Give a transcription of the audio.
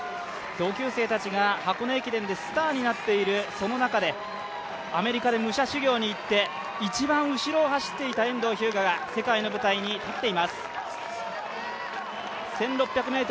同級生たちが箱根駅伝でスターになっている、その中でアメリカで武者修行に行って一番後ろを走っていた遠藤日向が世界の舞台に立っています。